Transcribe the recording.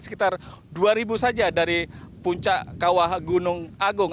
sekitar dua saja dari puncak kawah gunung agung